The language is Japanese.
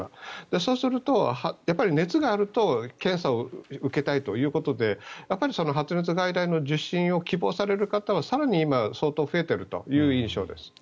そうすると、熱があると検査を受けたいということで発熱外来の受診を希望される方は更に今相当増えているという印象です。